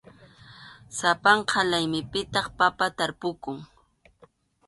Sapanka laymipitaq papa tarpukuq.